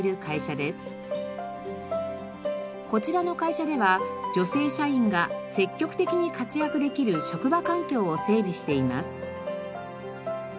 こちらの会社では女性社員が積極的に活躍できる職場環境を整備しています。